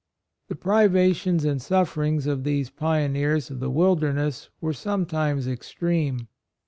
The privations and sufferings of these pioneers of the wilderness were sometimes extreme.